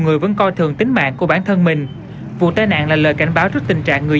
người vẫn coi thường tính mạng của bản thân mình vụ tai nạn là lời cảnh báo trước tình trạng người